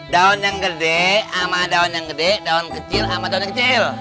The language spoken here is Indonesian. daun yang gede sama daun yang gede daun kecil sama daun kecil